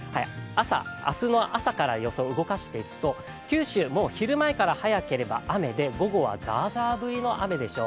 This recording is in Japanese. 明日の朝から動かしていくと、九州、もう昼前から雨で午後はザーザー降りでしょう。